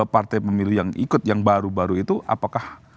partai pemilu yang ikut yang baru baru itu apakah